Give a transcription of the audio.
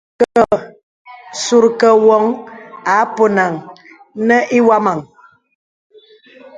Sùrkə̀ woŋ à ponàn nə iwɔmaŋ.